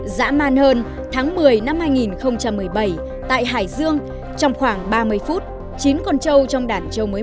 dã man hơn tháng một mươi năm hai nghìn một mươi bảy tại hải dương trong khoảng ba mươi phút chín con trâu trong đàn trâu mới